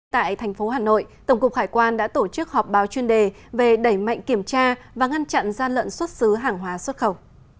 tại thành phố hà nội tổng cục hải quan đã tổ chức họp báo chuyên đề về đẩy mạnh kiểm tra và ngăn chặn gian lận xuất xứ hàng hóa xuất khẩu